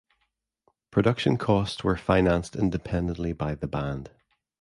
Production costs were financed independently by the band.